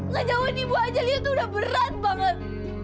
ngejauhan ibu aja dia udah berat banget